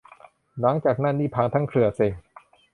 หลังจากนั้นนี่พังทั้งเครือ เซ็ง